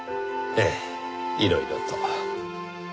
ええいろいろと。